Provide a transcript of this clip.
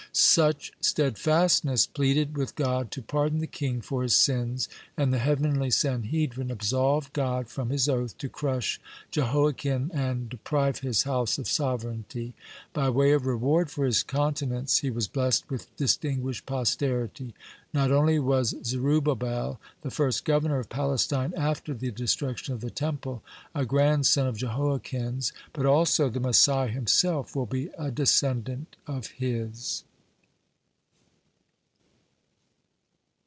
Such steadfastness pleaded with God to pardon the king for his sins, and the heavenly Sanhedrin absolved God from His oath, to crush Jehoiachin and deprive his house of sovereignty. (134) By way of reward for his continence he was blessed with distinguished posterity. Not only was Zerubbabel, the first governor of Palestine after the destruction of the Temple, a grandson of Jehoiachin's, (135) but also the Messiah himself will be a descendant of his.